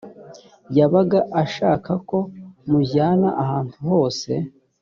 yabaga ashaka ko mujyana ahantu hose